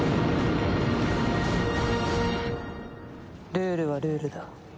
ルールはルールだ。